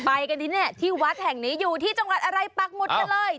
ไปกันที่แห่งนี้อยู่ที่จังหวัดอะไรปักหมดกันเลย